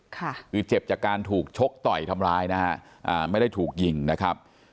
คือเจ็บจากการถูกชกต่อยทำร้ายนะฮะอ่าไม่ได้ถูกยิงนะครับ